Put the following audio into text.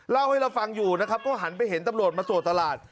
เล่าให้เราฟังอยู่นะครับก็หันไปเห็นตำรวจมาตรวจตลาด